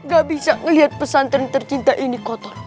gak bisa ngelihat pesantren tercinta ini kotor